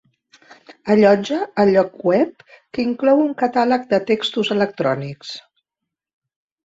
Allotja el lloc web, que inclou un catàleg de textos electrònics.